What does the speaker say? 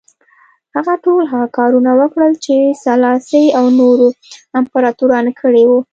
هغه ټول هغه کارونه وکړل چې سلاسي او نورو امپراتورانو کړي وو.